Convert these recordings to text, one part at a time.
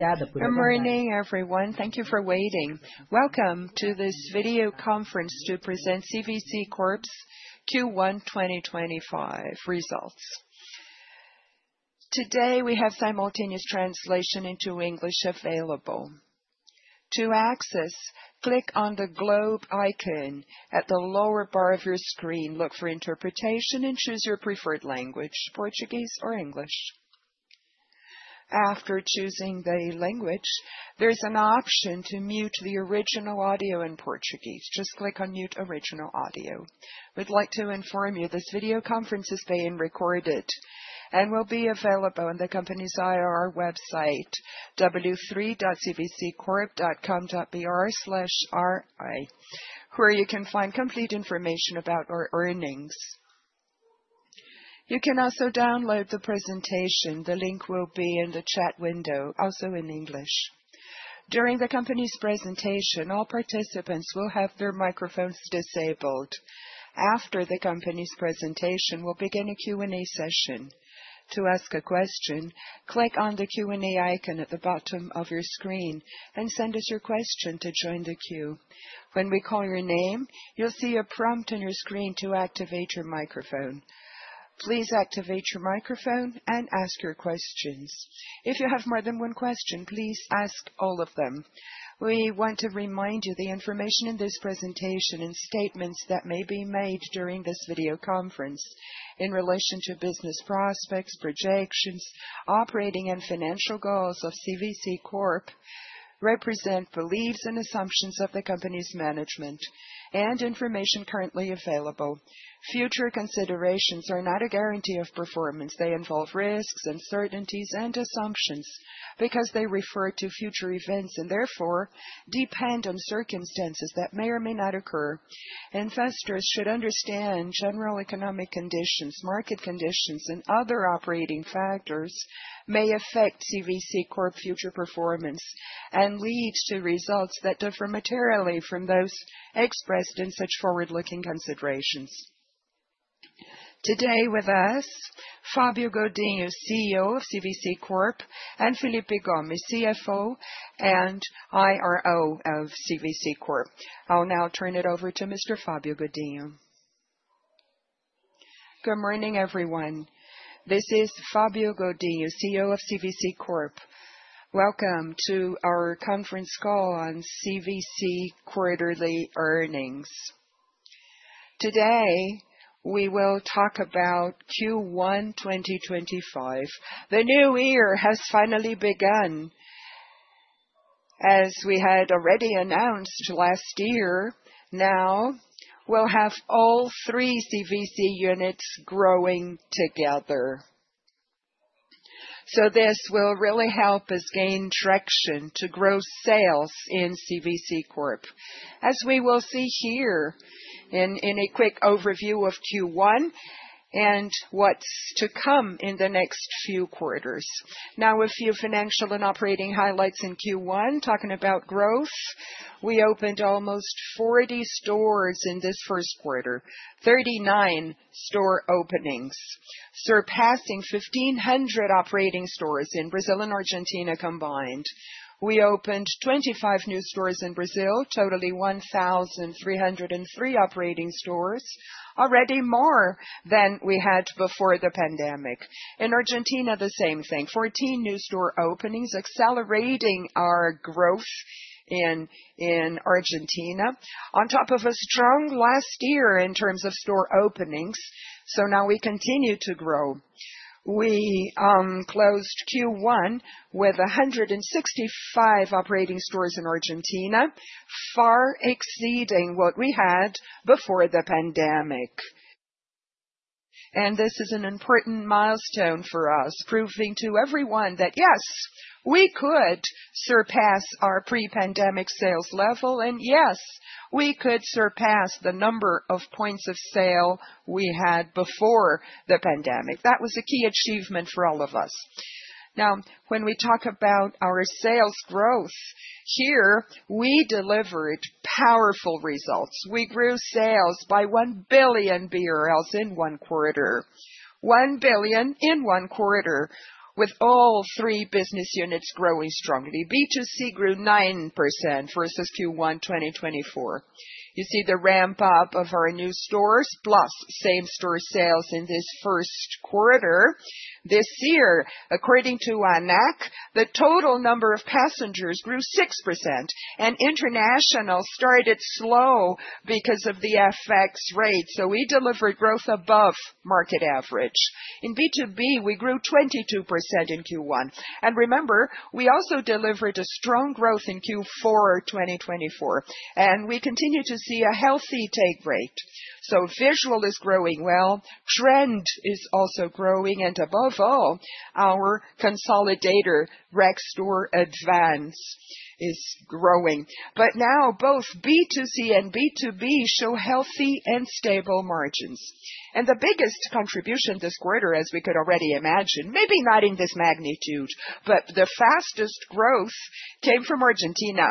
Good morning, everyone. Thank you for waiting. Welcome to this video conference to present CVC Corp Q1 2025 results. Today we have simultaneous translation into English available. To access, click on the globe icon at the lower bar of your screen, look for interpretation, and choose your preferred language: Portuguese or English. After choosing the language, there is an option to mute the original audio in Portuguese. Just click on "Mute Original Audio." We would like to inform you this video conference is being recorded and will be available on the company's IR website, www.cvccorp.com.br/ri, where you can find complete information about our earnings. You can also download the presentation. The link will be in the chat window, also in English. During the company's presentation, all participants will have their microphones disabled. After the company's presentation, we will begin a Q&A session. To ask a question, click on the Q&A icon at the bottom of your screen and send us your question to join the queue. When we call your name, you'll see a prompt on your screen to activate your microphone. Please activate your microphone and ask your questions. If you have more than one question, please ask all of them. We want to remind you the information in this presentation and statements that may be made during this video conference in relation to business prospects, projections, operating, and financial goals of CVC Corp represent beliefs and assumptions of the company's management and information currently available. Future considerations are not a guarantee of performance. They involve risks, uncertainties, and assumptions because they refer to future events and therefore depend on circumstances that may or may not occur. Investors should understand general economic conditions, market conditions, and other operating factors may affect CVC Corp's future performance and lead to results that differ materially from those expressed in such forward-looking considerations. Today with us, Fabio Godinho is CEO of CVC Corp and Felipe Gomes, CFO and IRO of CVC Corp. I'll now turn it over to Mr. Fabio Godinho. Good morning, everyone. This is Fabio Godinho, CEO of CVC Corp. Welcome to our conference call on CVC quarterly earnings. Today we will talk about Q1 2025. The new year has finally begun. As we had already announced last year, now we'll have all three CVC units growing together. This will really help us gain traction to grow sales in CVC Corp, as we will see here in a quick overview of Q1 and what is to come in the next few quarters. Now, a few financial and operating highlights in Q1 talking about growth. We opened almost 40 stores in this first quarter, 39 store openings, surpassing 1,500 operating stores in Brazil and Argentina combined. We opened 25 new stores in Brazil, totaling 1,303 operating stores, already more than we had before the pandemic. In Argentina, the same thing: 14 new store openings, accelerating our growth in Argentina, on top of a strong last year in terms of store openings. We continue to grow. We closed Q1 with 165 operating stores in Argentina, far exceeding what we had before the pandemic. This is an important milestone for us, proving to everyone that yes, we could surpass our pre-pandemic sales level, and yes, we could surpass the number of points of sale we had before the pandemic. That was a key achievement for all of us. Now, when we talk about our sales growth here, we delivered powerful results. We grew sales by 1 billion BRL in one quarter, 1 billion in one quarter, with all three business units growing strongly. B2C grew 9% versus Q1 2024. You see the ramp-up of our new stores, plus same-store sales in this first quarter. This year, according to ANAC, the total number of passengers grew 6%, and international started slow because of the FX rate. We delivered growth above market average. In B2B, we grew 22% in Q1. Remember, we also delivered a strong growth in Q4 2024, and we continue to see a healthy take rate. Visual is growing well. Trend is also growing. Above all, our consolidator, Rextur Advance, is growing. Now both B2C and B2B show healthy and stable margins. The biggest contribution this quarter, as we could already imagine, maybe not in this magnitude, but the fastest growth came from Argentina,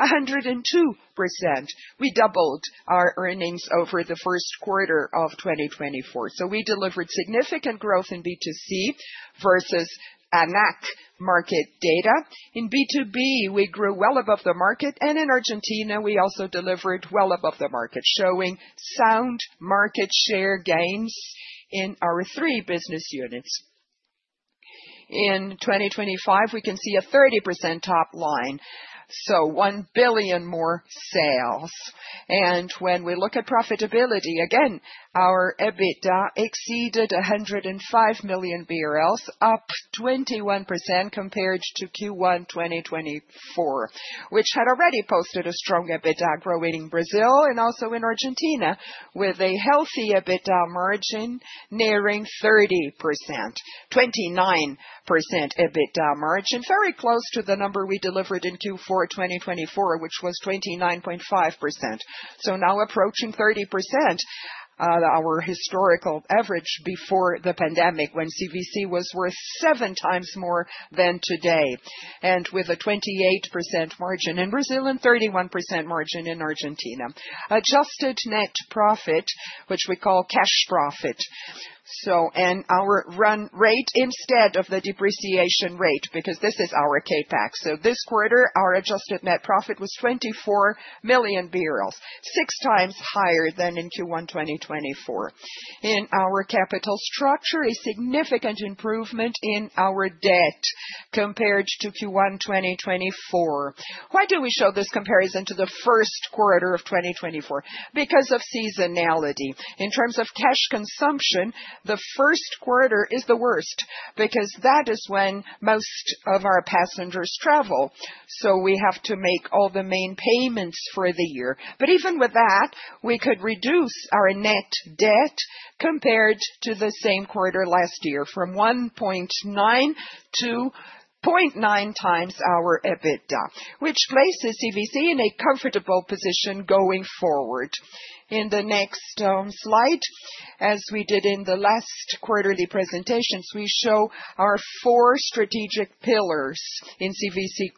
102%. We doubled our earnings over the first quarter of 2024. We delivered significant growth in B2C versus ANAC market data. In B2B, we grew well above the market, and in Argentina, we also delivered well above the market, showing sound market share gains in our three business units. In 2025, we can see a 30% top line, so 1 billion more sales. When we look at profitability, again, our EBITDA exceeded 105 million BRL, up 21% compared to Q1 2024, which had already posted a strong EBITDA growing in Brazil and also in Argentina, with a healthy EBITDA margin nearing 30%, 29% EBITDA margin, very close to the number we delivered in Q4 2024, which was 29.5%. Now approaching 30%, our historical average before the pandemic, when CVC was worth seven times more than today, and with a 28% margin in Brazil and 31% margin in Argentina. Adjusted net profit, which we call cash profit, and our run rate instead of the depreciation rate, because this is our CapEx. This quarter, our adjusted net profit was 24 million, six times higher than in Q1 2024. In our capital structure, a significant improvement in our debt compared to Q1 2024. Why do we show this comparison to the first quarter of 2024? Because of seasonality. In terms of cash consumption, the first quarter is the worst because that is when most of our passengers travel. We have to make all the main payments for the year. Even with that, we could reduce our net debt compared to the same quarter last year from 1.9 to 0.9 times our EBITDA, which places CVC in a comfortable position going forward. In the next slide, as we did in the last quarterly presentations, we show our four strategic pillars in CVC.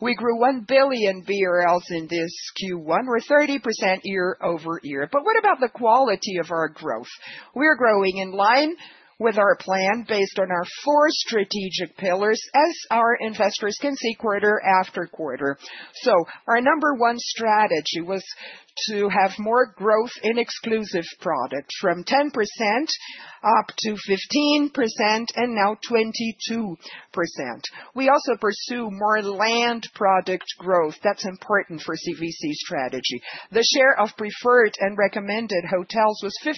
We grew 1 billion BRL in this Q1, where 30% year over year. What about the quality of our growth? We are growing in line with our plan based on our four strategic pillars, as our investors can see quarter after quarter. Our number one strategy was to have more growth in exclusive products from 10% up to 15% and now 22%. We also pursue more land product growth. That is important for CVC strategy. The share of preferred and recommended hotels was 50%.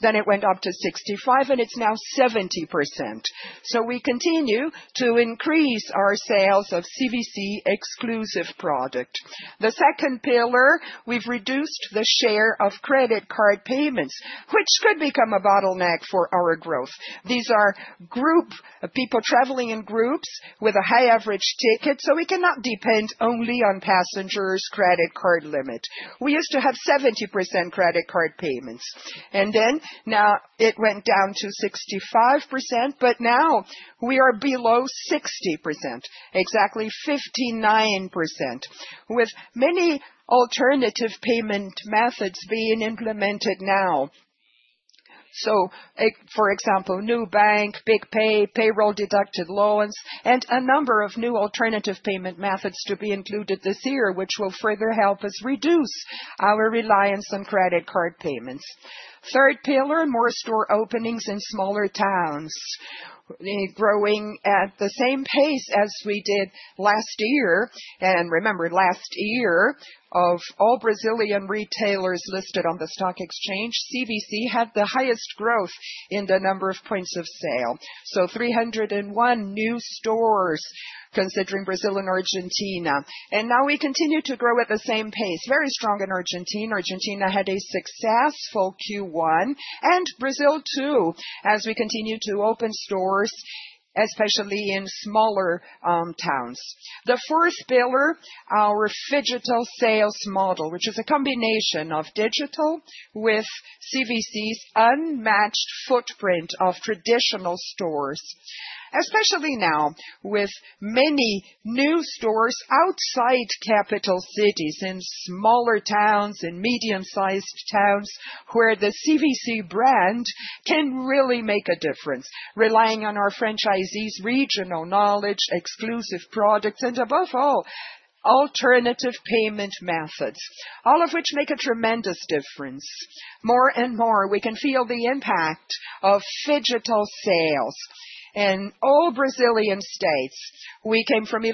Then it went up to 65%, and it is now 70%. We continue to increase our sales of CVC exclusive product. The second pillar, we've reduced the share of credit card payments, which could become a bottleneck for our growth. These are group people traveling in groups with a high average ticket, so we cannot depend only on passengers' credit card limit. We used to have 70% credit card payments, and then now it went down to 65%, but now we are below 60%, exactly 59%, with many alternative payment methods being implemented now. For example, Nubank, BigPay, payroll-deducted loans, and a number of new alternative payment methods to be included this year, which will further help us reduce our reliance on credit card payments. Third pillar, more store openings in smaller towns, growing at the same pace as we did last year. Remember, last year, of all Brazilian retailers listed on the stock exchange, CVC had the highest growth in the number of points of sale. Three hundred one new stores considering Brazil and Argentina. Now we continue to grow at the same pace, very strong in Argentina. Argentina had a successful Q1 and Brazil too, as we continue to open stores, especially in smaller towns. The fourth pillar, our phygital sales model, which is a combination of digital with CVC's unmatched footprint of traditional stores, especially now with many new stores outside capital cities in smaller towns and medium-sized towns where the CVC brand can really make a difference, relying on our franchisees' regional knowledge, exclusive products, and above all, alternative payment methods, all of which make a tremendous difference. More and more, we can feel the impact of phygital sales in all Brazilian states. We came from 11%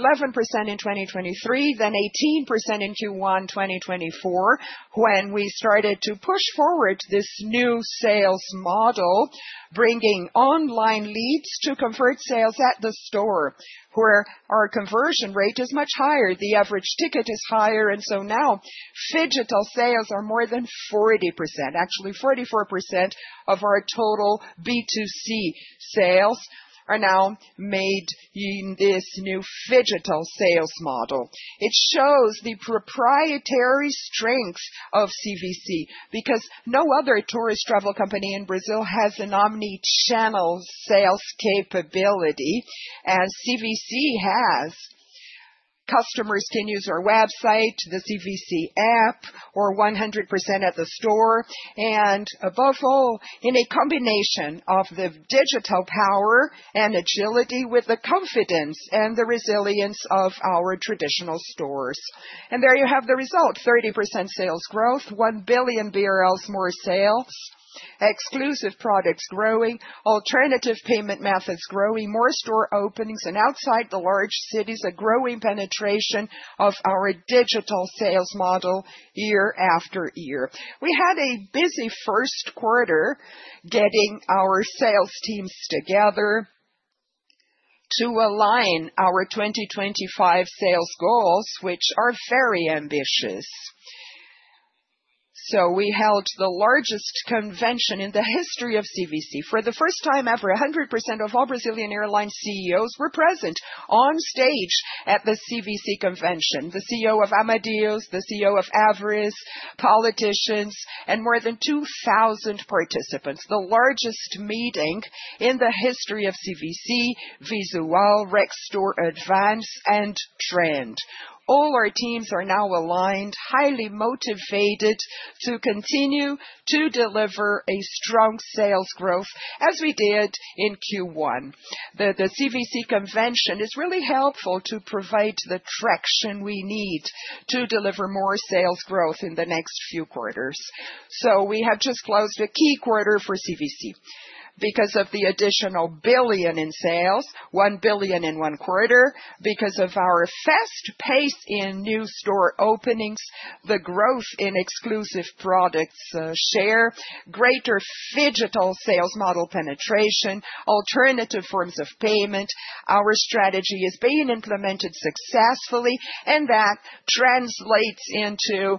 in 2023, then 18% in Q1 2024 when we started to push forward this new sales model, bringing online leads to convert sales at the store, where our conversion rate is much higher. The average ticket is higher. Now phygital sales are more than 40%, actually 44% of our total B2C sales are now made in this new phygital sales model. It shows the proprietary strength of CVC because no other tourist travel company in Brazil has an omnichannel sales capability as CVC has. Customers can use our website, the CVC app, or 100% at the store. Above all, in a combination of the digital power and agility with the confidence and the resilience of our traditional stores. There you have the result: 30% sales growth, 1 billion BRL more sales, exclusive products growing, alternative payment methods growing, more store openings, and outside the large cities, a growing penetration of our digital sales model year after year. We had a busy first quarter getting our sales teams together to align our 2025 sales goals, which are very ambitious. We held the largest convention in the history of CVC. For the first time ever, 100% of all Brazilian airline CEOs were present on stage at the CVC convention, the CEO of Amadeus, the CEO of Avis, politicians, and more than 2,000 participants, the largest meeting in the history of CVC, Visual, Rextur Advance, and Trend. All our teams are now aligned, highly motivated to continue to deliver a strong sales growth as we did in Q1. The CVC convention is really helpful to provide the traction we need to deliver more sales growth in the next few quarters. We have just closed a key quarter for CVC because of the additional 1 billion in sales, 1 billion in one quarter. Because of our fast pace in new store openings, the growth in exclusive products share, greater phygital sales model penetration, alternative forms of payment, our strategy is being implemented successfully, and that translates into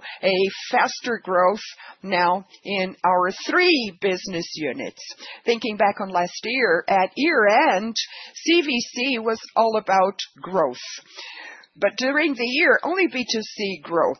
faster growth now in our three business units. Thinking back on last year, at year end, CVC was all about growth. During the year, only B2C grew.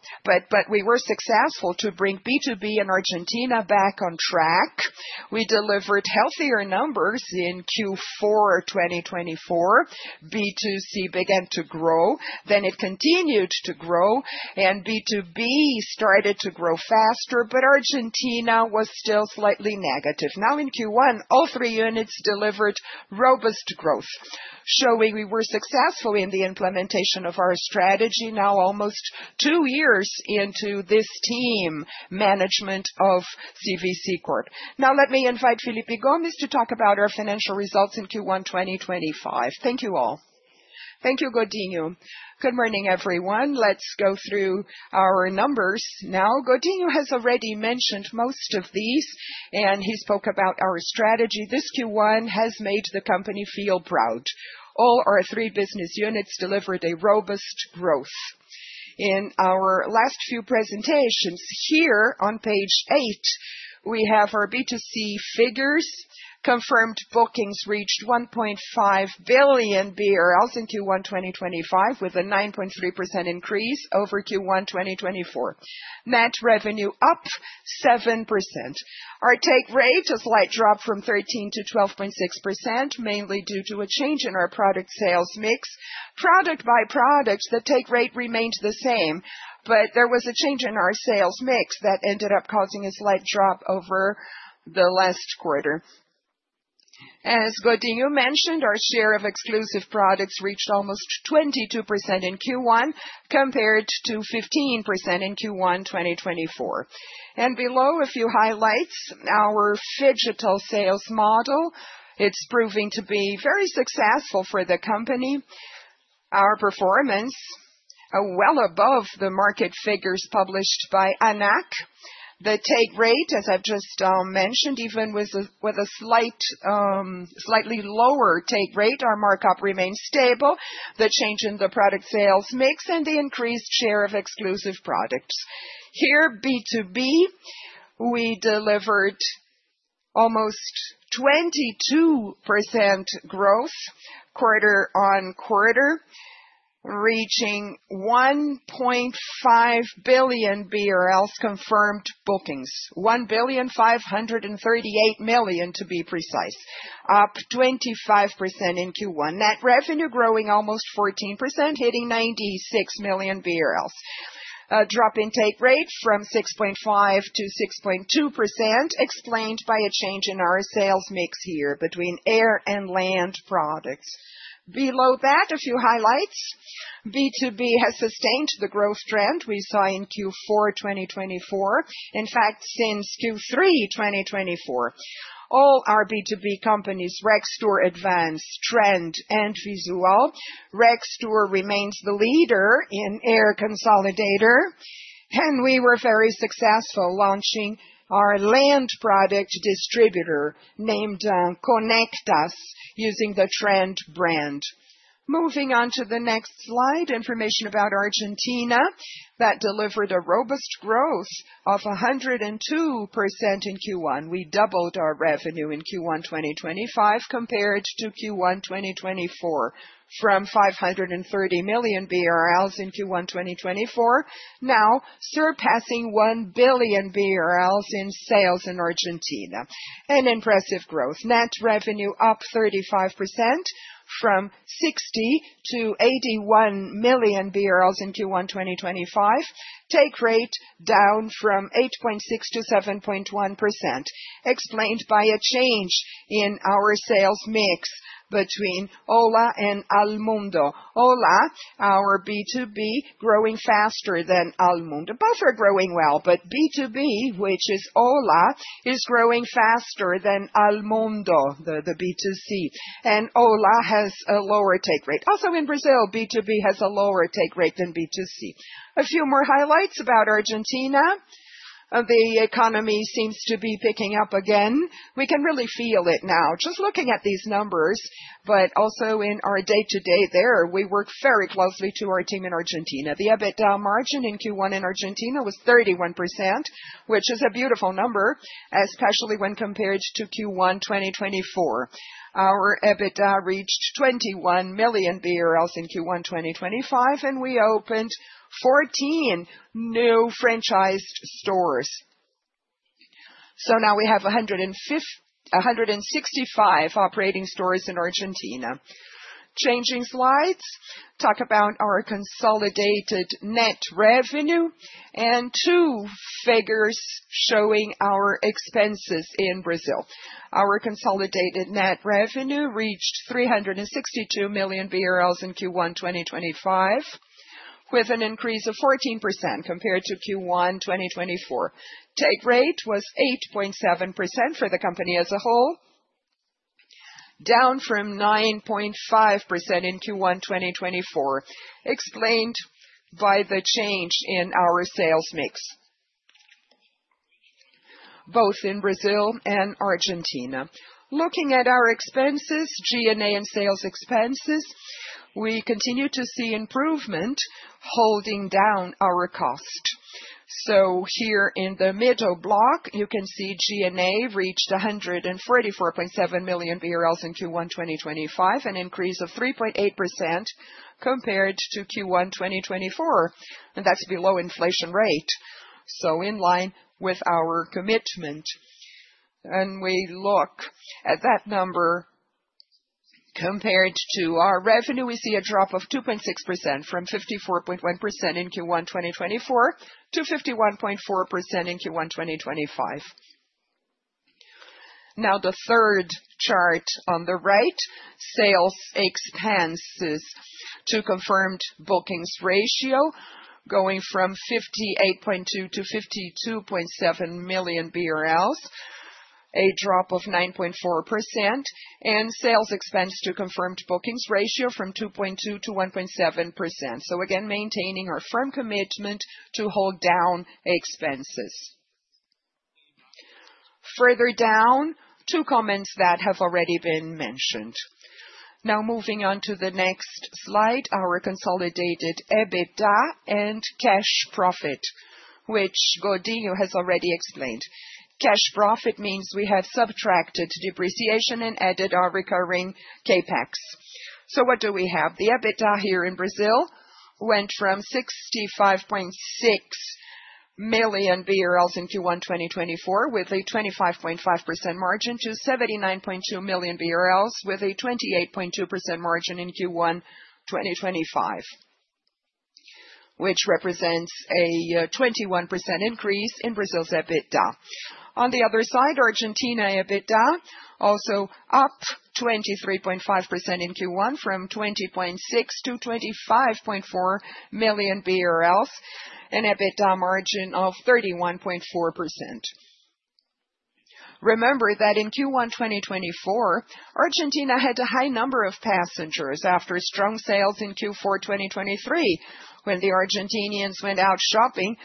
We were successful to bring B2B in Argentina back on track. We delivered healthier numbers in Q4 2024. B2C began to grow, then it continued to grow, and B2B started to grow faster, but Argentina was still slightly negative. Now in Q1, all three units delivered robust growth, showing we were successful in the implementation of our strategy, now almost two years into this team management of CVC. Now let me invite Felipe Gomes to talk about our financial results in Q1 2025. Thank you all. Thank you, Godinho. Good morning, everyone. Let's go through our numbers now. Godinho has already mentioned most of these, and he spoke about our strategy. This Q1 has made the company feel proud. All our three business units delivered a robust growth. In our last few presentations here on page eight, we have our B2C figures. Confirmed bookings reached 1.5 billion BRL in Q1 2025, with a 9.3% increase over Q1 2024. Net revenue up 7%. Our take rate is a slight drop from 13% to 12.6%, mainly due to a change in our product sales mix. Product by product, the take rate remained the same, but there was a change in our sales mix that ended up causing a slight drop over the last quarter. As Godinho mentioned, our share of exclusive products reached almost 22% in Q1 compared to 15% in Q1 2024. Below, a few highlights: our phygital sales model, it is proving to be very successful for the company. Our performance is well above the market figures published by ANAC. The take rate, as I have just mentioned, even with a slightly lower take rate, our markup remains stable. The change in the product sales mix and the increased share of exclusive products. Here, B2B, we delivered almost 22% growth quarter on quarter, reaching BRL 1.5 billion confirmed bookings, 1 billion 538 million to be precise, up 25% in Q1. Net revenue growing almost 14%, hitting 96 million. A drop in take rate from 6.5% to 6.2% explained by a change in our sales mix here between air and land products. Below that, a few highlights. B2B has sustained the growth trend we saw in Q4 2024, in fact, since Q3 2024. All our B2B companies: Rextur Advance, Trend, and Visual. Rextur remains the leader in air consolidator, and we were very successful launching our land product distributor named Connect Us using the Trend brand. Moving on to the next slide, information about Argentina that delivered a robust growth of 102% in Q1. We doubled our revenue in Q1 2025 compared to Q1 2024 from 530 million BRL in Q1 2024, now surpassing 1 billion BRL in sales in Argentina. An impressive growth. Net revenue up 35% from 60 million to 81 million in Q1 2025. Take rate down from 8.6% to 7.1%, explained by a change in our sales mix between Ola and Almundo. Ola, our B2B, growing faster than Almundo. Both are growing well, but B2B, which is Ola, is growing faster than Almundo, the B2C, and Ola has a lower take rate. Also, in Brazil, B2B has a lower take rate than B2C. A few more highlights about Argentina. The economy seems to be picking up again. We can really feel it now, just looking at these numbers, but also in our day-to-day there, we work very closely to our team in Argentina. The EBITDA margin in Q1 in Argentina was 31%, which is a beautiful number, especially when compared to Q1 2024. Our EBITDA reached 21 million BRL in Q1 2025, and we opened 14 new franchised stores. Now we have 165 operating stores in Argentina. Changing slides, talk about our consolidated net revenue and two figures showing our expenses in Brazil. Our consolidated net revenue reached 362 million BRL in Q1 2025, with an increase of 14% compared to Q1 2024. Take rate was 8.7% for the company as a whole, down from 9.5% in Q1 2024, explained by the change in our sales mix, both in Brazil and Argentina. Looking at our expenses, G&A and sales expenses, we continue to see improvement, holding down our cost. Here in the middle block, you can see G&A reached 144.7 million in Q1 2025, an increase of 3.8% compared to Q1 2024, and that is below inflation rate. In line with our commitment. When we look at that number compared to our revenue, we see a drop of 2.6% from 54.1% in Q1 2024 to 51.4% in Q1 2025. Now the third chart on the right, sales expenses to confirmed bookings ratio, going from 58.2% to 52.7 million BRL, a drop of 9.4%, and sales expense to confirmed bookings ratio from 2.2% to 1.7%. Again, maintaining our firm commitment to hold down expenses. Further down, two comments that have already been mentioned. Now moving on to the next slide, our consolidated EBITDA and cash profit, which Godinho has already explained. Cash profit means we have subtracted depreciation and added our recurring CapEx. What do we have? The EBITDA here in Brazil went from 65.6 million BRL in Q1 2024 with a 25.5% margin to 79.2 million BRL with a 28.2% margin in Q1 2025, which represents a 21% increase in Brazil's EBITDA. On the other side, Argentina EBITDA also up 23.5% in Q1 from 20.6 million to 25.4 million BRL, an EBITDA margin of 31.4%. Remember that in Q1 2024, Argentina had a high number of passengers after strong sales in Q4 2023. When the Argentinians went out shopping,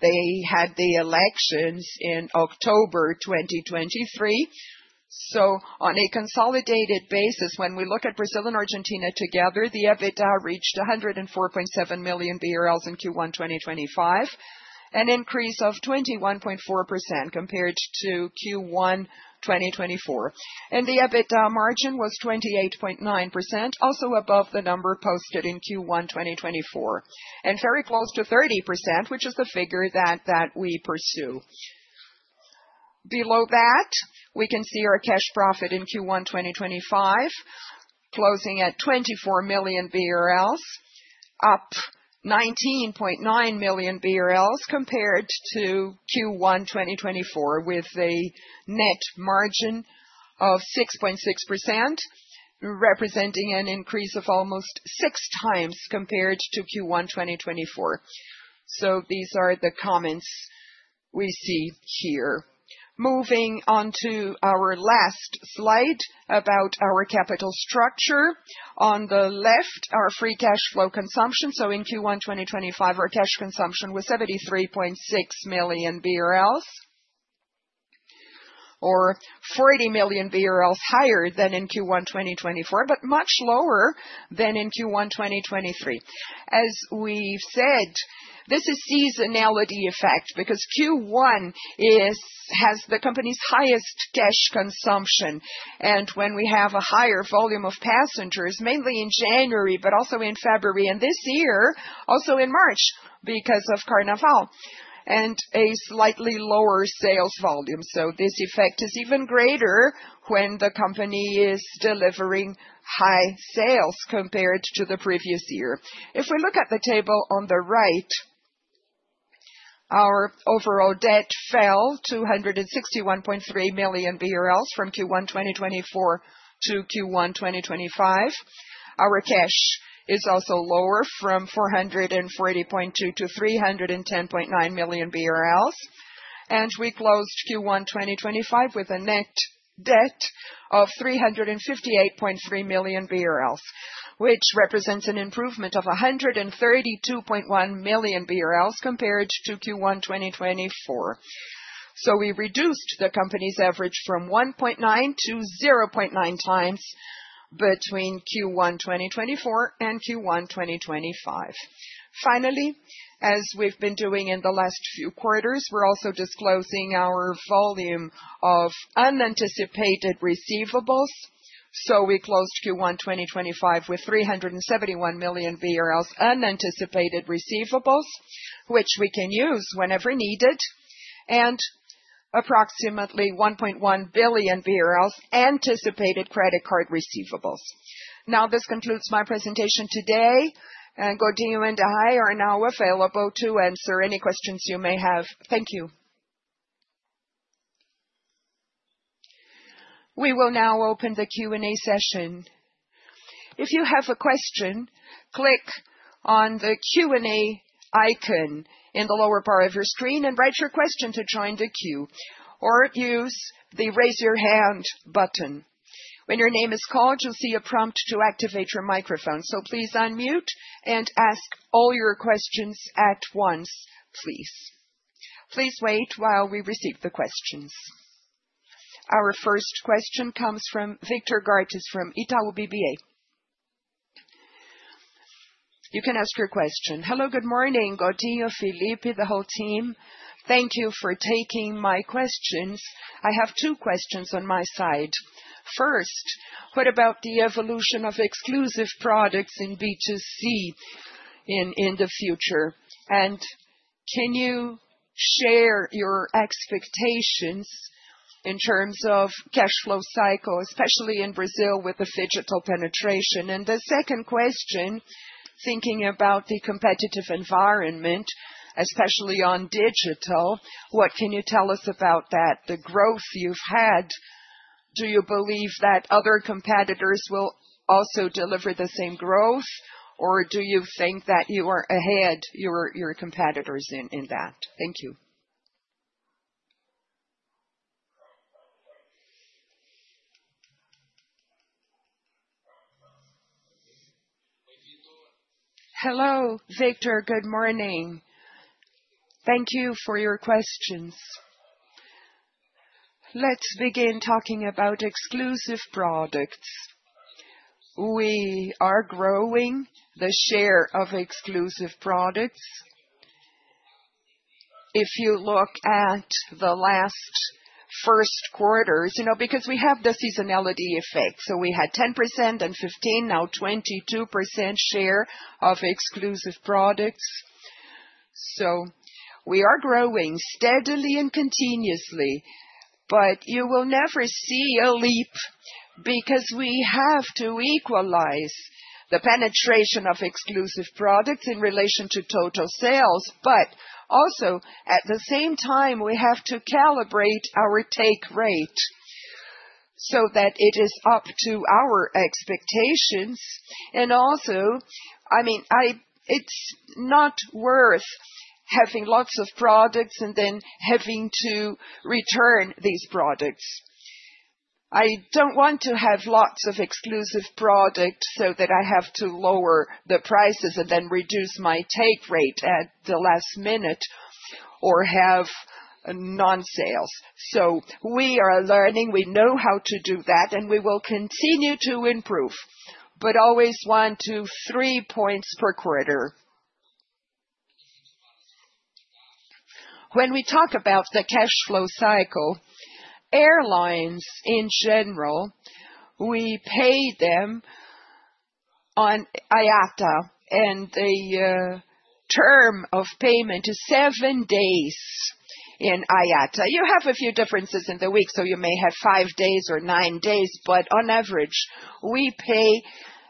they had the elections in October 2023. On a consolidated basis, when we look at Brazil and Argentina together, the EBITDA reached 104.7 million BRL in Q1 2025, an increase of 21.4% compared to Q1 2024. The EBITDA margin was 28.9%, also above the number posted in Q1 2024, and very close to 30%, which is the figure that we pursue. Below that, we can see our cash profit in Q1 2025, closing at 24 million BRL, up 19.9 million BRL compared to Q1 2024, with a net margin of 6.6%, representing an increase of almost six times compared to Q1 2024. These are the comments we see here. Moving on to our last slide about our capital structure. On the left, our free cash flow consumption. In Q1 2025, our cash consumption was 73.6 million BRL, or 40 million BRL higher than in Q1 2024, but much lower than in Q1 2023. As we've said, this is a seasonality effect because Q1 has the company's highest cash consumption. When we have a higher volume of passengers, mainly in January, but also in February and this year, also in March because of Carnaval and a slightly lower sales volume, this effect is even greater when the company is delivering high sales compared to the previous year. If we look at the table on the right, our overall debt fell to 161.3 million BRL from Q1 2024 to Q1 2025. Our cash is also lower from 440.2 million to 310.9 million BRL. We closed Q1 2025 with a net debt of 358.3 million BRL, which represents an improvement of 132.1 million BRL compared to Q1 2024. We reduced the company's average from 1.9 to 0.9 times between Q1 2024 and Q1 2025. Finally, as we have been doing in the last few quarters, we are also disclosing our volume of unanticipated receivables. We closed Q1 2025 with 371 million BRL unanticipated receivables, which we can use whenever needed, and approximately 1.1 billion anticipated credit card receivables. This concludes my presentation today. Godinho and I are now available to answer any questions you may have. Thank you. We will now open the Q&A session. If you have a question, click on the Q&A icon in the lower bar of your screen and write your question to join the queue, or use the raise your hand button. When your name is called, you'll see a prompt to activate your microphone. Please unmute and ask all your questions at once, please. Please wait while we receive the questions. Our first question comes from Victor Rogatis from Itaú BBA. You can ask your question. Hello, good morning, Godinho, Felipe, the whole team. Thank you for taking my questions. I have two questions on my side. First, what about the evolution of exclusive products in B2C in the future? Can you share your expectations in terms of cash flow cycle, especially in Brazil with the phygital penetration? The second question, thinking about the competitive environment, especially on digital, what can you tell us about that, the growth you've had? Do you believe that other competitors will also deliver the same growth, or do you think that you are ahead your competitors in that? Thank you. Hello, Victor, good morning. Thank you for your questions. Let's begin talking about exclusive products. We are growing the share of exclusive products. If you look at the last first quarters, you know, because we have the seasonality effect. We had 10% and 15%, now 22% share of exclusive products. We are growing steadily and continuously, but you will never see a leap because we have to equalize the penetration of exclusive products in relation to total sales. Also, at the same time, we have to calibrate our take rate so that it is up to our expectations. I mean, it's not worth having lots of products and then having to return these products. I don't want to have lots of exclusive products so that I have to lower the prices and then reduce my take rate at the last minute or have non-sales. We are learning, we know how to do that, and we will continue to improve, but always one to three points per quarter. When we talk about the cash flow cycle, airlines in general, we pay them on IATA, and the term of payment is seven days in IATA. You have a few differences in the week, so you may have five days or nine days, but on average, we pay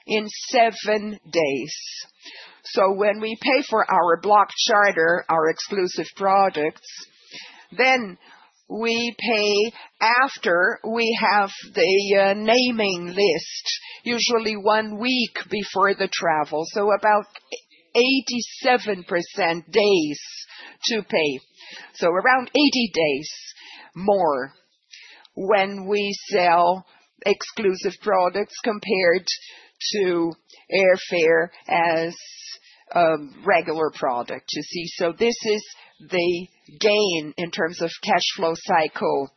in seven days. When we pay for our block charter, our exclusive products, then we pay after we have the naming list, usually one week before the travel. About 87 days to pay. Around 80 days more when we sell exclusive products compared to airfare as a regular product, you see. This is the gain in terms of cash flow cycle.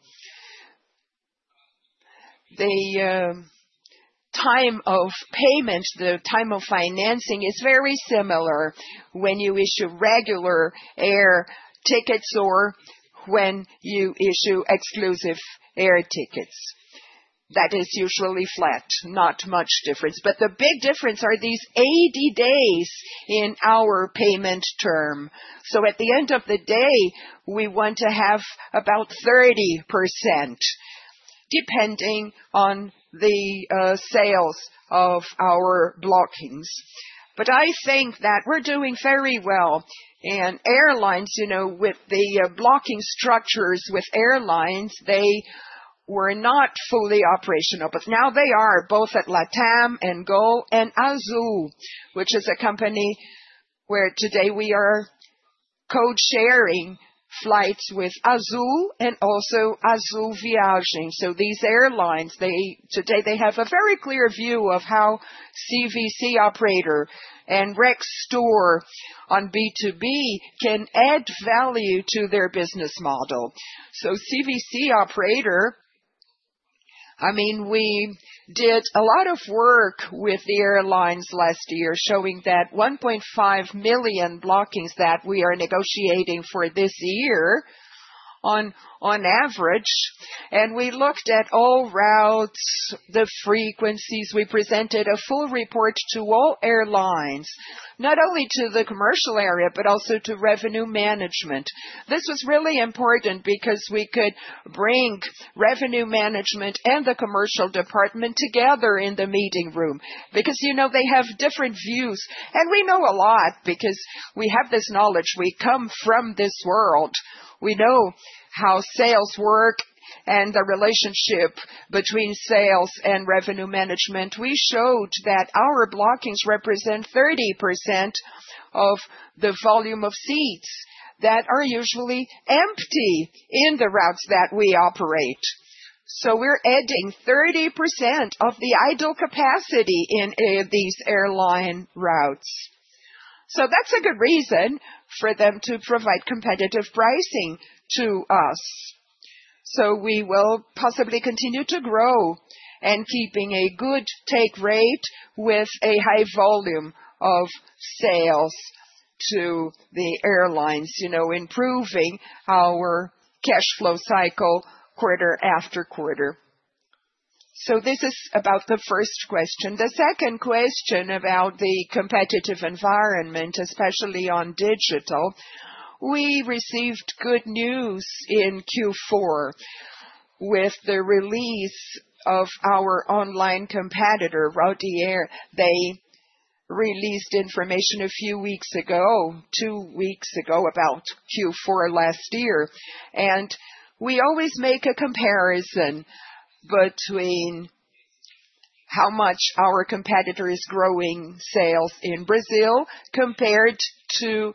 The time of payment, the time of financing is very similar when you issue regular air tickets or when you issue exclusive air tickets. That is usually flat, not much difference. The big difference are these 80 days in our payment term. At the end of the day, we want to have about 30% depending on the sales of our blockings. I think that we're doing very well. Airlines, you know, with the blocking structures with airlines, they were not fully operational, but now they are both at LATAM and GOL and Azul, which is a company where today we are co-sharing flights with Azul and also Azul Viagens. These airlines, today they have a very clear view of how CVC operator and Rextur Advance on B2B can add value to their business model. CVC operator, I mean, we did a lot of work with the airlines last year showing that 1.5 million blockings that we are negotiating for this year on average. We looked at all routes, the frequencies. We presented a full report to all airlines, not only to the commercial area, but also to revenue management. This was really important because we could bring revenue management and the commercial department together in the meeting room because, you know, they have different views. We know a lot because we have this knowledge. We come from this world. We know how sales work and the relationship between sales and revenue management. We showed that our blockings represent 30% of the volume of seats that are usually empty in the routes that we operate. We are adding 30% of the idle capacity in these airline routes. That is a good reason for them to provide competitive pricing to us. We will possibly continue to grow and keep a good take rate with a high volume of sales to the airlines, you know, improving our cash flow cycle quarter after quarter. This is about the first question. The second question about the competitive environment, especially on digital, we received good news in Q4 with the release of our online competitor, RouteAir. They released information a few weeks ago, two weeks ago about Q4 last year. We always make a comparison between how much our competitor is growing sales in Brazil compared to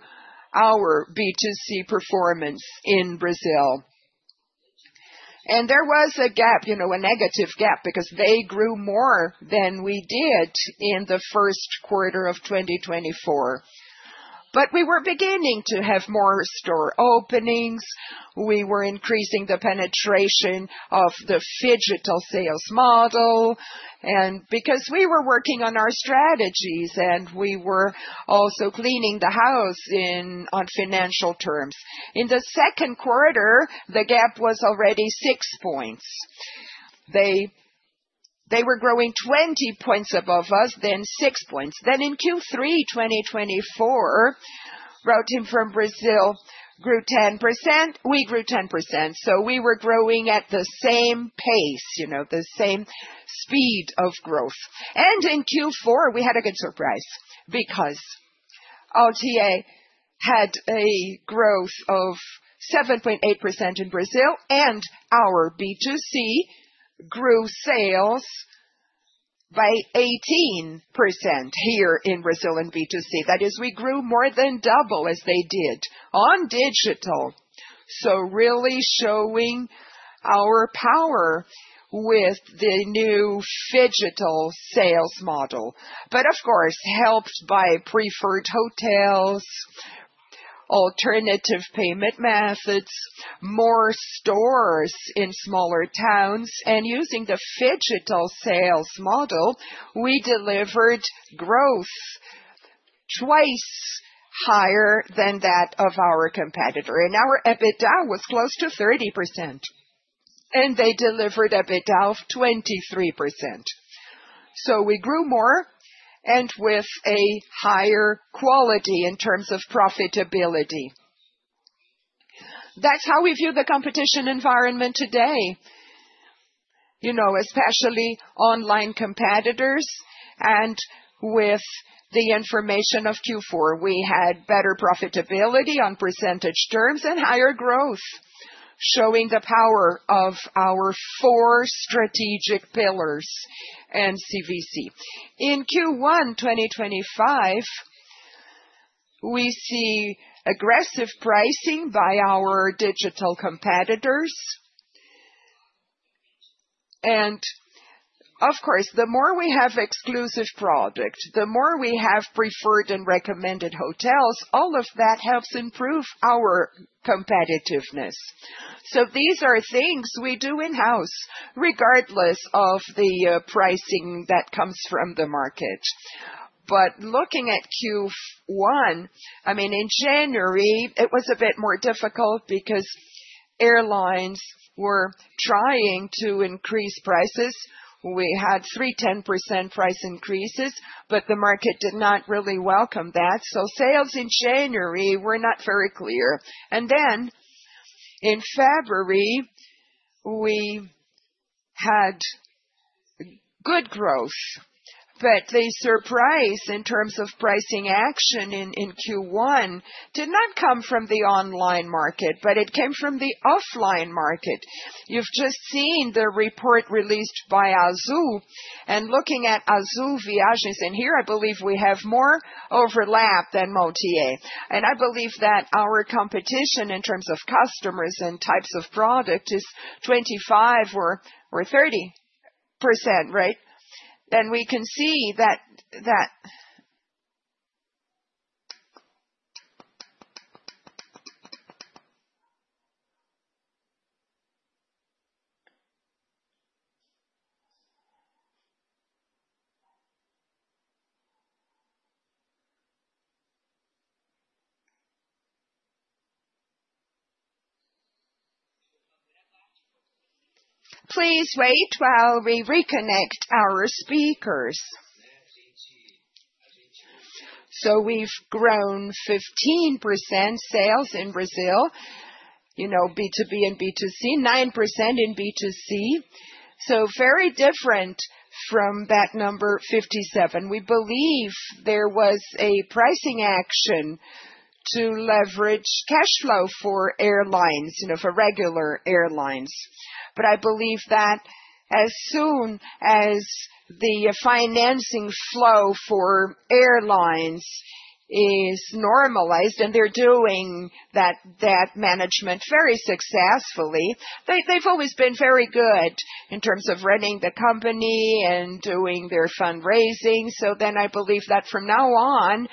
our B2C performance in Brazil. There was a gap, you know, a negative gap because they grew more than we did in the first quarter of 2024. We were beginning to have more store openings. We were increasing the penetration of the phygital sales model. Because we were working on our strategies and we were also cleaning the house on financial terms, in the second quarter, the gap was already six percentage points. They were growing 20 percentage points above us, then six percentage points. In Q3 2024, routing from Brazil grew 10%. We grew 10%. We were growing at the same pace, you know, the same speed of growth. In Q4, we had a good surprise because RouteAir had a growth of 7.8% in Brazil and our B2C grew sales by 18% here in Brazil and B2C. That is, we grew more than double as they did on digital. Really showing our power with the new phygital sales model. Of course, helped by preferred hotels, alternative payment methods, more stores in smaller towns. Using the phygital sales model, we delivered growth twice higher than that of our competitor. Our EBITDA was close to 30%. They delivered EBITDA of 23%. We grew more and with a higher quality in terms of profitability. That is how we view the competition environment today. You know, especially online competitors. With the information of Q4, we had better profitability on percentage terms and higher growth, showing the power of our four strategic pillars and CVC. In Q1 2025, we see aggressive pricing by our digital competitors. Of course, the more we have exclusive products, the more we have preferred and recommended hotels, all of that helps improve our competitiveness. These are things we do in-house, regardless of the pricing that comes from the market. But looking at Q1, I mean, in January, it was a bit more difficult because airlines were trying to increase prices. We had three 10% price increases, but the market did not really welcome that. Sales in January were not very clear. In February, we had good growth, but the surprise in terms of pricing action in Q1 did not come from the online market, but it came from the offline market. You have just seen the report released by Azul and looking at Azul Viagens. Here, I believe we have more overlap than RouteAir. I believe that our competition in terms of customers and types of product is 25% or 30%, right? We can see that. Please wait while we reconnect our speakers. We have grown 15% sales in Brazil, you know, B2B and B2C, 9% in B2C. Very different from that number, 57. We believe there was a pricing action to leverage cash flow for airlines, you know, for regular airlines. I believe that as soon as the financing flow for airlines is normalized and they are doing that management very successfully, they have always been very good in terms of running the company and doing their fundraising. I believe that from now on,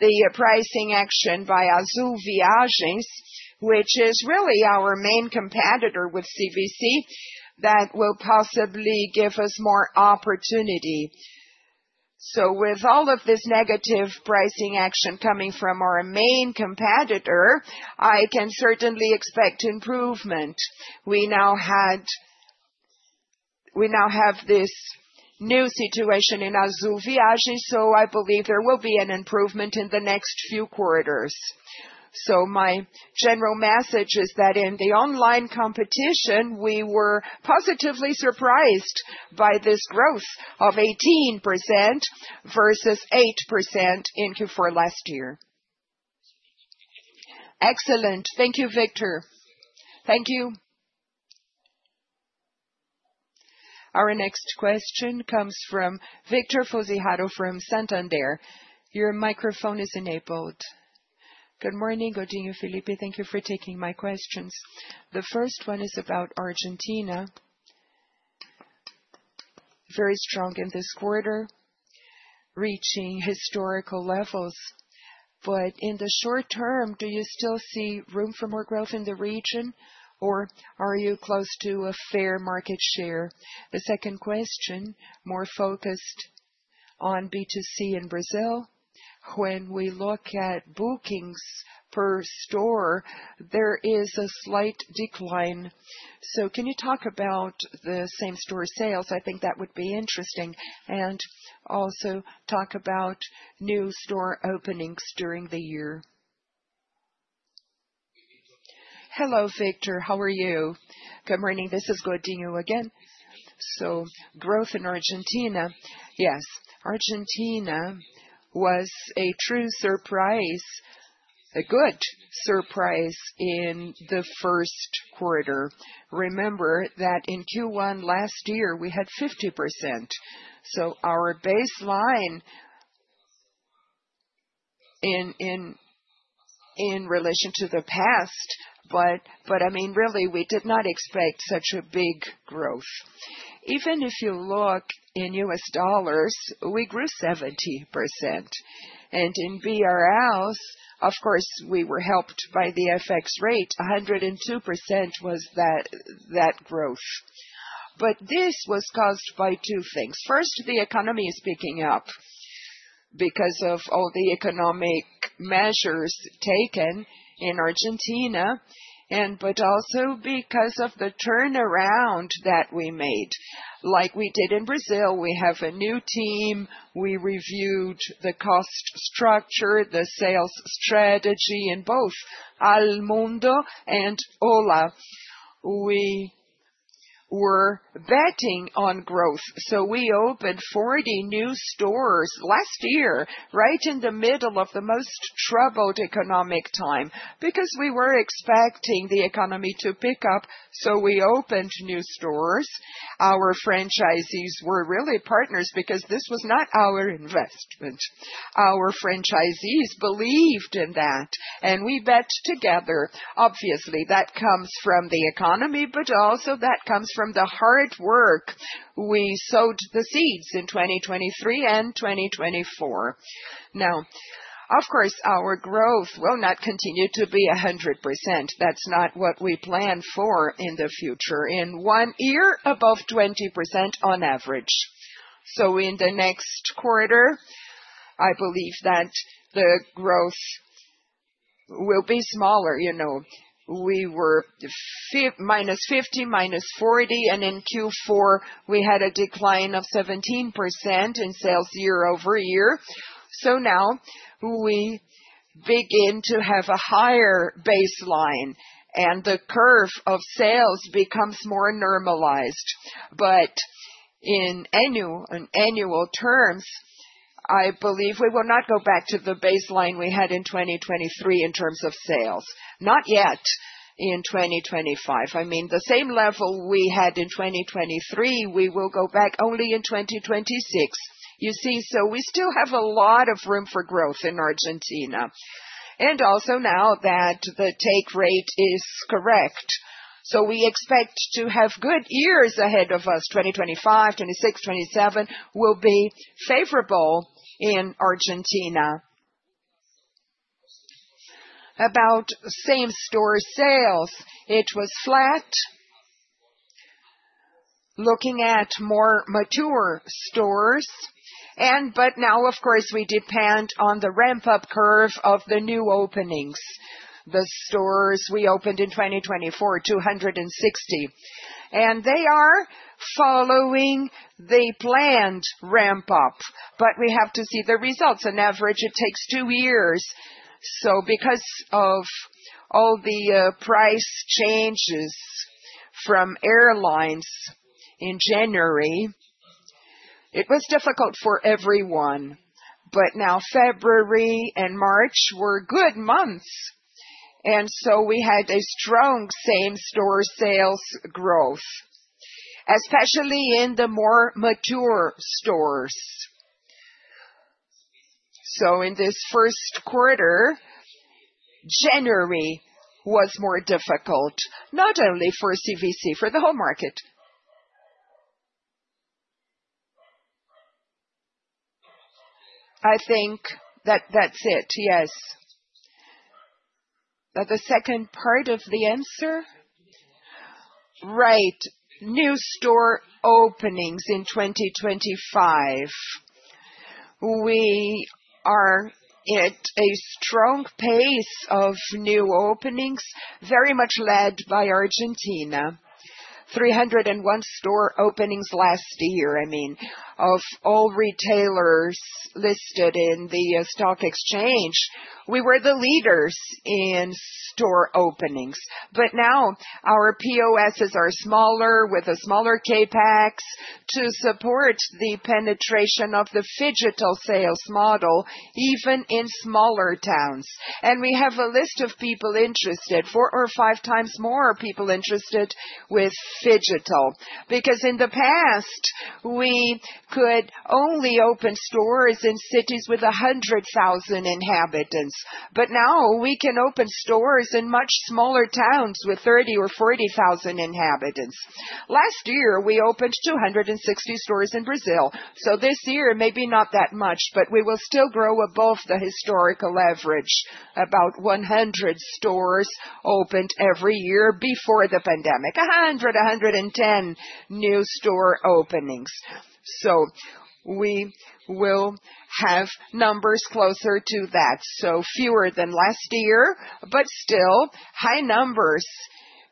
the pricing action by Azul Viagens, which is really our main competitor with CVC, will possibly give us more opportunity. With all of this negative pricing action coming from our main competitor, I can certainly expect improvement. We now have this new situation in Azul Viagens, so I believe there will be an improvement in the next few quarters. My general message is that in the online competition, we were positively surprised by this growth of 18% versus 8% in Q4 last year. Excellent. Thank you, Victor. Thank you. Our next question comes from Vitor Fuziharo from Santander. Your microphone is enabled. Good morning, Godinho and Felipe. Thank you for taking my questions. The first one is about Argentina. Very strong in this quarter, reaching historical levels. In the short term, do you still see room for more growth in the region, or are you close to a fair market share? The second question, more focused on B2C in Brazil. When we look at bookings per store, there is a slight decline. Can you talk about the same store sales? I think that would be interesting. Also talk about new store openings during the year. Hello, Victor. How are you? Good morning. This is Godinho again. Growth in Argentina, yes, Argentina was a true surprise, a good surprise in the first quarter. Remember that in Q1 last year, we had 50%. Our baseline in relation to the past, but I mean, really, we did not expect such a big growth. Even if you look in US dollars, we grew 70%. In BRL, of course, we were helped by the FX rate. BRL 102% was that growth. This was caused by two things. First, the economy is picking up because of all the economic measures taken in Argentina, but also because of the turnaround that we made. Like we did in Brazil, we have a new team. We reviewed the cost structure, the sales strategy in both Almundo and Ola. We were betting on growth. We opened 40 new stores last year, right in the middle of the most troubled economic time because we were expecting the economy to pick up. We opened new stores. Our franchisees were really partners because this was not our investment. Our franchisees believed in that. We bet together. Obviously, that comes from the economy, but also that comes from the hard work. We sowed the seeds in 2023 and 2024. Now, of course, our growth will not continue to be 100%. That is not what we plan for in the future. In one year, above 20% on average. In the next quarter, I believe that the growth will be smaller. You know, we were -50%, -40%. In Q4, we had a decline of 17% in sales year over year. Now we begin to have a higher baseline and the curve of sales becomes more normalized. In annual terms, I believe we will not go back to the baseline we had in 2023 in terms of sales. Not yet in 2025. I mean, the same level we had in 2023, we will go back only in 2026. You see, we still have a lot of room for growth in Argentina. Also, now that the take rate is correct, we expect to have good years ahead of us. 2025, 2026, 2027 will be favorable in Argentina. About same store sales, it was flat looking at more mature stores. Now, of course, we depend on the ramp-up curve of the new openings. The stores we opened in 2024, 260, they are following the planned ramp-up. We have to see the results. On average, it takes two years. Because of all the price changes from airlines in January, it was difficult for everyone. Now February and March were good months. We had a strong same store sales growth, especially in the more mature stores. In this first quarter, January was more difficult, not only for CVC, for the whole market. I think that is it. Yes. That is the second part of the answer. Right. New store openings in 2025. We are at a strong pace of new openings, very much led by Argentina. 301 store openings last year, I mean, of all retailers listed in the stock exchange. We were the leaders in store openings. Now our POSs are smaller with a smaller CapEx to support the penetration of the phygital sales model, even in smaller towns. We have a list of people interested, four or five times more people interested with phygital. Because in the past, we could only open stores in cities with 100,000 inhabitants. Now we can open stores in much smaller towns with 30,000 or 40,000 inhabitants. Last year, we opened 260 stores in Brazil. This year, maybe not that much, but we will still grow above the historical average. About 100 stores opened every year before the pandemic. 100-110 new store openings. We will have numbers closer to that. Fewer than last year, but still high numbers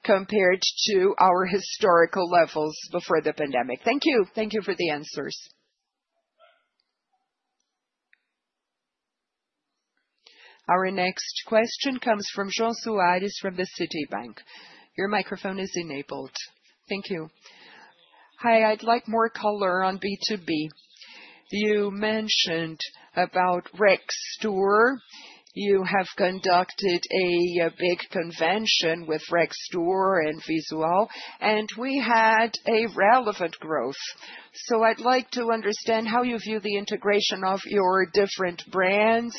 compared to our historical levels before the pandemic. Thank you. Thank you for the answers. Our next question comes from Jose Suarez from Citibank. Your microphone is enabled. Thank you. Hi, I'd like more color on B2B. You mentioned about Rextur Advance. You have conducted a big convention with Rextur Advance and Visual, and we had a relevant growth. I would like to understand how you view the integration of your different brands.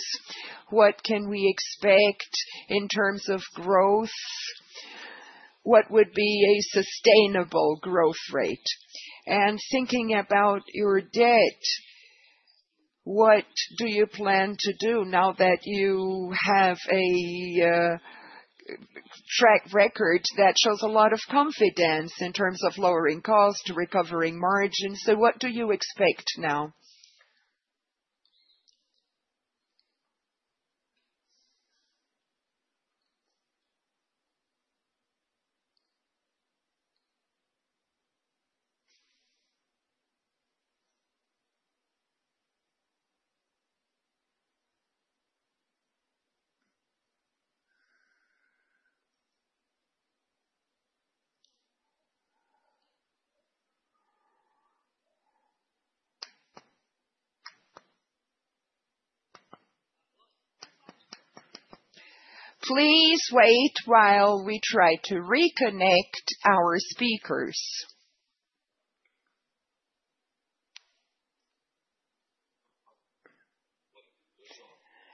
What can we expect in terms of growth? What would be a sustainable growth rate? Thinking about your debt, what do you plan to do now that you have a track record that shows a lot of confidence in terms of lowering costs, recovering margins? What do you expect now? Please wait while we try to reconnect our speakers.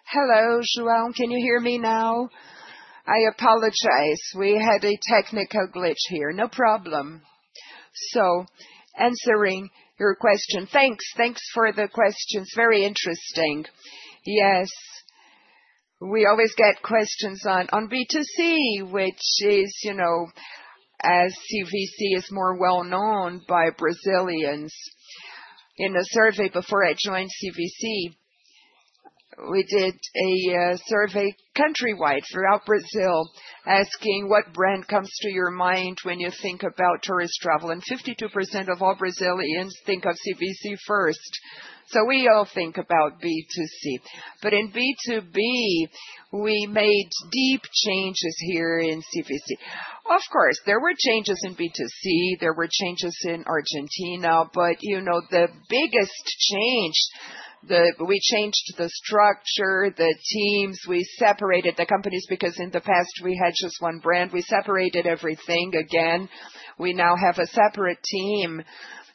Hello, Jose. Can you hear me now? I apologize. We had a technical glitch here. No problem. Answering your question. Thanks. Thanks for the questions. Very interesting. Yes. We always get questions on B2C, which is, you know, as CVC is more well-known by Brazilians. In a survey before I joined CVC, we did a survey countrywide throughout Brazil asking what brand comes to your mind when you think about tourist travel. 52% of all Brazilians think of CVC first. We all think about B2C. In B2B, we made deep changes here in CVC. Of course, there were changes in B2C. There were changes in Argentina. You know, the biggest change, we changed the structure, the teams. We separated the companies because in the past, we had just one brand. We separated everything again. We now have a separate team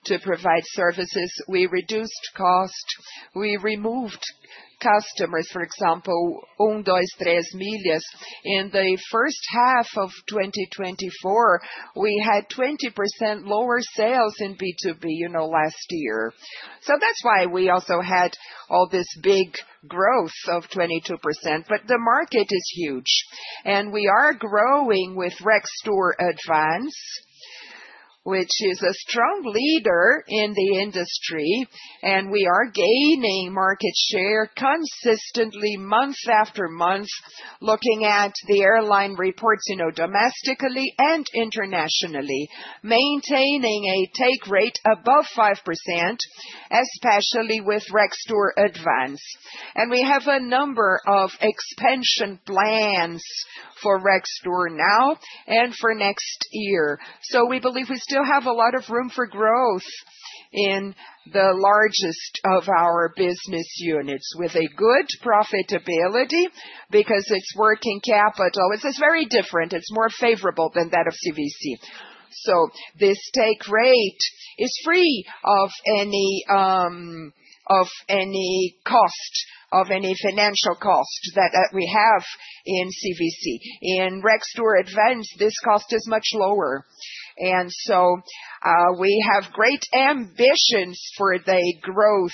to provide services. We reduced cost. We removed customers, for example, 1, 2, 3 milhas. In the first half of 2024, we had 20% lower sales in B2B, you know, last year. That is why we also had all this big growth of 22%. The market is huge. We are growing with Rextur Advance, which is a strong leader in the industry. We are gaining market share consistently month after month, looking at the airline reports, you know, domestically and internationally, maintaining a take rate above 5%, especially with Rextur Advance. We have a number of expansion plans for Rextur now and for next year. We believe we still have a lot of room for growth in the largest of our business units with a good profitability because it's working capital. It's very different. It's more favorable than that of CVC. This take rate is free of any cost, of any financial cost that we have in CVC. In Rextur Advance, this cost is much lower. We have great ambitions for the growth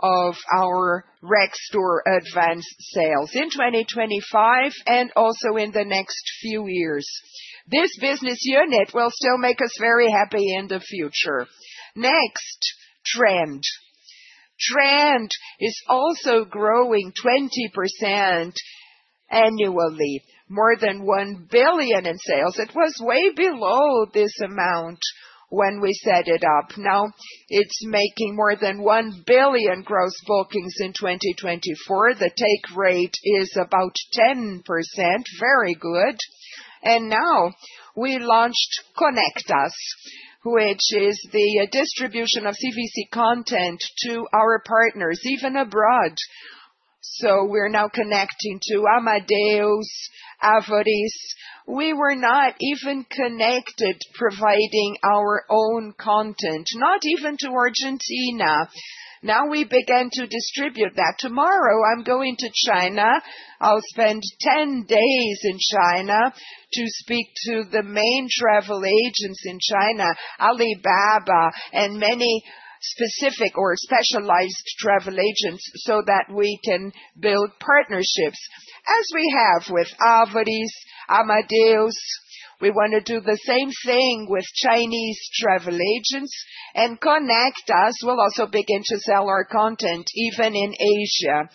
of our Rextur Advance sales in 2025 and also in the next few years. This business unit will still make us very happy in the future. Next, Trend. Trend is also growing 20% annually, more than 1 billion in sales. It was way below this amount when we set it up. Now it is making more than 1 billion gross bookings in 2024. The take rate is about 10%. Very good. Now we launched Connect Us, which is the distribution of CVC content to our partners, even abroad. We are now connecting to Amadeus, Ávoris. We were not even connected providing our own content, not even to Argentina. Now we began to distribute that. Tomorrow, I am going to China. I will spend 10 days in China to speak to the main travel agents in China, Alibaba, and many specific or specialized travel agents so that we can build partnerships as we have with Ávoris, Amadeus. We want to do the same thing with Chinese travel agents. Connect Us will also begin to sell our content, even in Asia.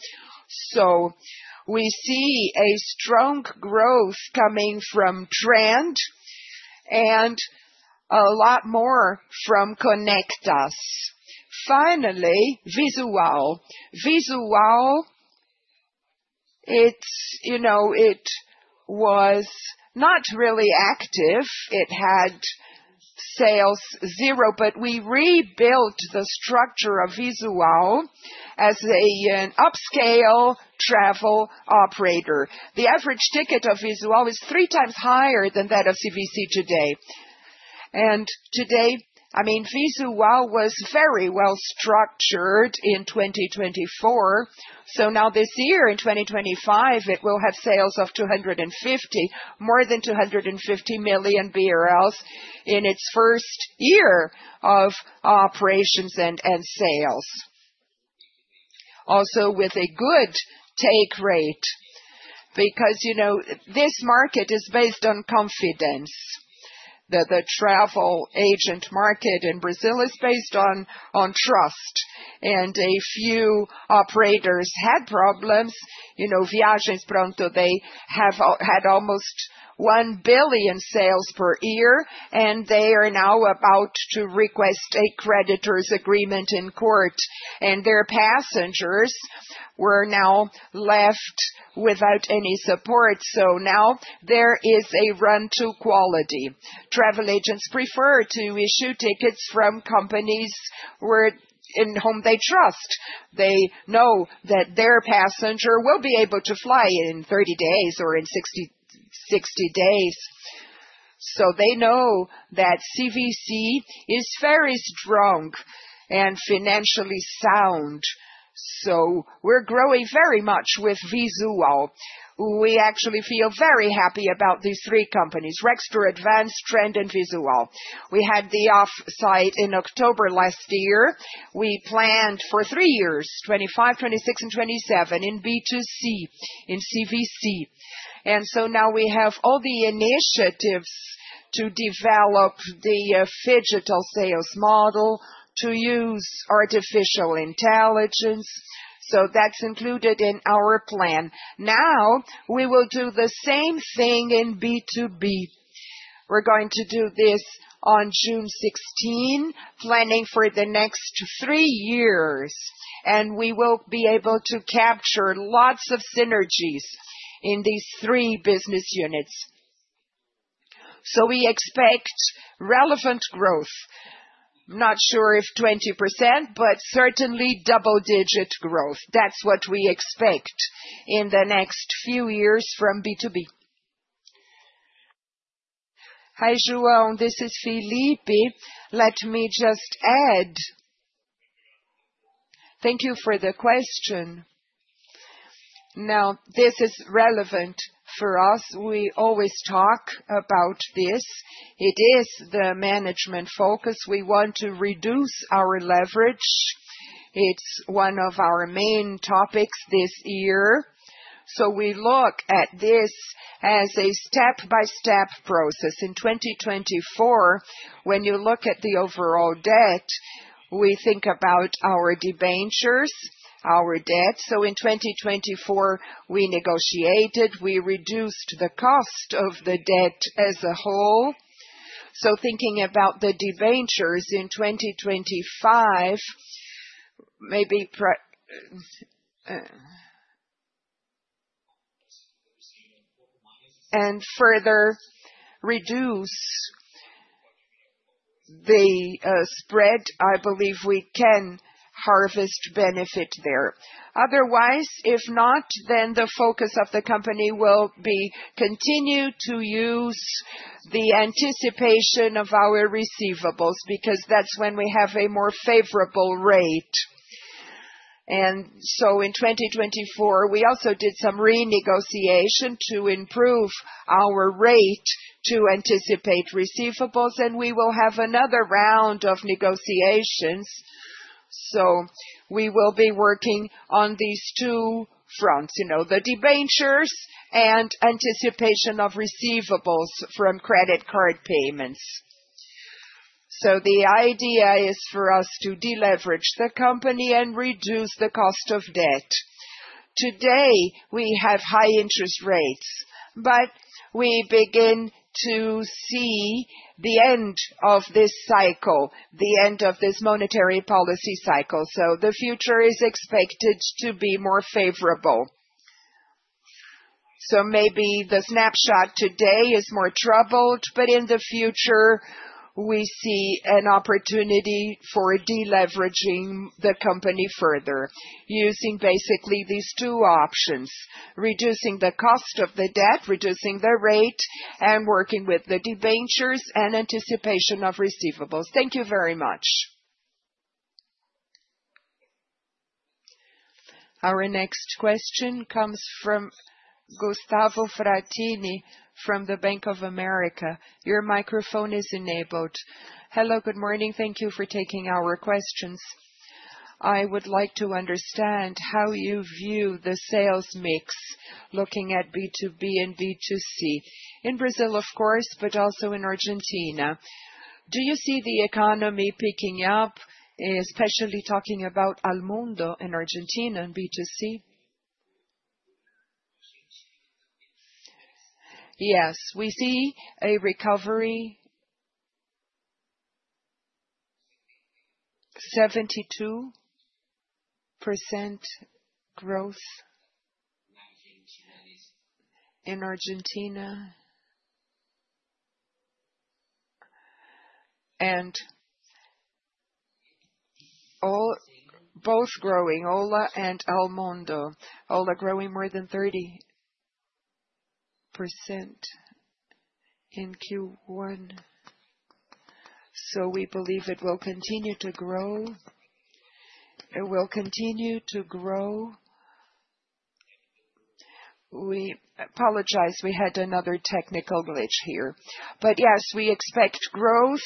We see a strong growth coming from Trend and a lot more from Connect Us. Finally, Visual. Visual, you know, it was not really active. It had sales zero, but we rebuilt the structure of Visual as an upscale travel operator. The average ticket of Visual is three times higher than that of CVC today. I mean, Visual was very well structured in 2024. Now this year, in 2025, it will have sales of more than 250 million BRL in its first year of operations and sales. Also with a good take rate because, you know, this market is based on confidence. The travel agent market in Brazil is based on trust. A few operators had problems. You know, Viagens Pronto pra, they had almost 1 billion sales per year, and they are now about to request a creditors' agreement in court. Their passengers were now left without any support. Now there is a run-to quality. Travel agents prefer to issue tickets from companies in whom they trust. They know that their passenger will be able to fly in 30 days or in 60 days. They know that CVC is very strong and financially sound. We're growing very much with Visual. We actually feel very happy about these three companies: Rextur Advance, Trend, and Visual. We had the offsite in October last year. We planned for three years, 2025, 2026, and 2027 in B2C, in CVC. Now we have all the initiatives to develop the phygital sales model to use artificial intelligence. That's included in our plan. Now we will do the same thing in B2B. We're going to do this on June 16, planning for the next three years. We will be able to capture lots of synergies in these three business units. We expect relevant growth. I'm not sure if 20%, but certainly double-digit growth. That's what we expect in the next few years from B2B. Hi, Jose. This is Felipe. Let me just add, thank you for the question. This is relevant for us. We always talk about this. It is the management focus. We want to reduce our leverage. It's one of our main topics this year. We look at this as a step-by-step process. In 2024, when you look at the overall debt, we think about our debentures, our debt. In 2024, we negotiated. We reduced the cost of the debt as a whole. Thinking about the debentures in 2025, maybe and further reduce the spread, I believe we can harvest benefit there. Otherwise, if not, the focus of the company will be to continue to use the anticipation of our receivables because that's when we have a more favorable rate. In 2024, we also did some renegotiation to improve our rate to anticipate receivables. We will have another round of negotiations. We will be working on these two fronts, you know, the debentures and anticipation of receivables from credit card payments. The idea is for us to deleverage the company and reduce the cost of debt. Today, we have high interest rates, but we begin to see the end of this cycle, the end of this monetary policy cycle. The future is expected to be more favorable. Maybe the snapshot today is more troubled, but in the future, we see an opportunity for deleveraging the company further, using basically these two options: reducing the cost of the debt, reducing the rate, and working with the debentures and anticipation of receivables. Thank you very much. Our next question comes from Gustavo Fratini from Bank of America. Your microphone is enabled. Hello, good morning. Thank you for taking our questions. I would like to understand how you view the sales mix looking at B2B and B2C in Brazil, of course, but also in Argentina. Do you see the economy picking up, especially talking about Almundo in Argentina and B2C? Yes, we see a recovery, 72% growth in Argentina and both growing, Ola and Almundo. Ola growing more than 30% in Q1. We believe it will continue to grow. It will continue to grow. We apologize. We had another technical glitch here. Yes, we expect growth.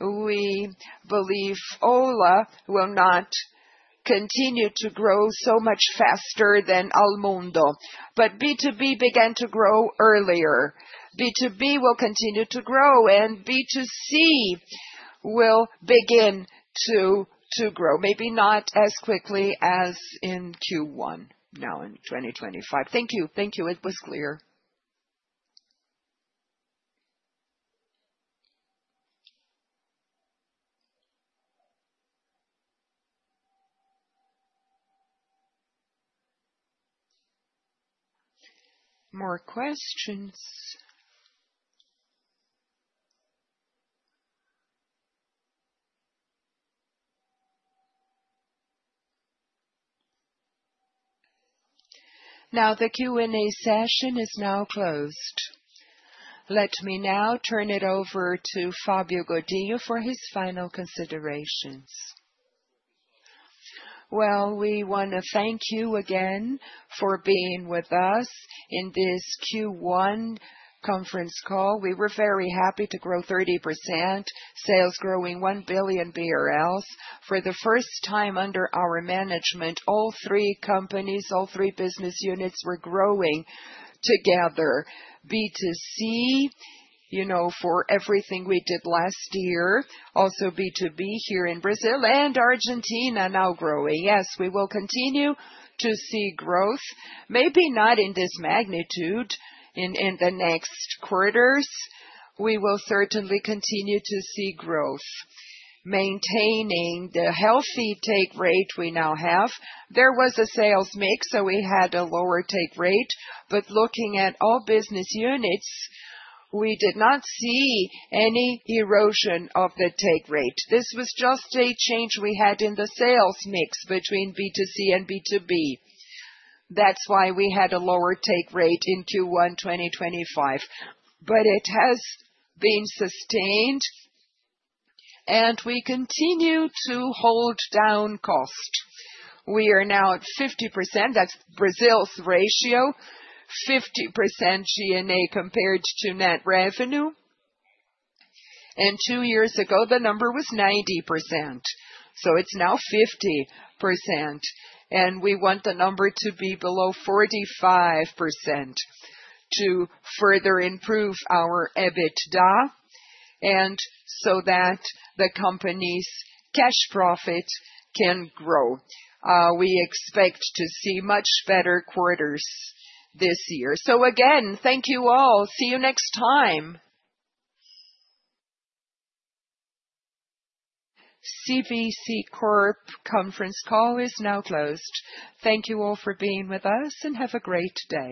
We believe Ola will not continue to grow so much faster than Almundo. B2B began to grow earlier. B2B will continue to grow, and B2C will begin to grow, maybe not as quickly as in Q1 now in 2025. Thank you. Thank you. It was clear. More questions. The Q&A session is now closed. Let me now turn it over to Fabio Godinho for his final considerations. We want to thank you again for being with us in this Q1 conference call. We were very happy to grow 30%, sales growing 1 billion BRL for the first time under our management. All three companies, all three business units were growing together. B2C, you know, for everything we did last year, also B2B here in Brazil and Argentina now growing. Yes, we will continue to see growth, maybe not in this magnitude in the next quarters. We will certainly continue to see growth, maintaining the healthy take rate we now have. There was a sales mix, so we had a lower take rate. Looking at all business units, we did not see any erosion of the take rate. This was just a change we had in the sales mix between B2C and B2B. That is why we had a lower take rate in Q1 2025. It has been sustained, and we continue to hold down cost. We are now at 50%. That is Brazil's ratio, 50% G&A compared to net revenue. Two years ago, the number was 90%. Now it is 50%. We want the number to be below 45% to further improve our EBITDA and so that the company's cash profit can grow. We expect to see much better quarters this year. Again, thank you all. See you next time. CVC conference call is now closed. Thank you all for being with us, and have a great day.